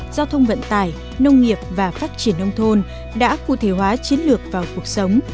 giao thông vận tải nông nghiệp và phát triển nông thôn đã cụ thể hóa chiến lược vào cuộc sống